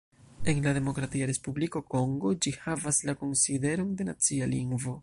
En la Demokratia Respubliko Kongo ĝi havas la konsideron de "nacia lingvo".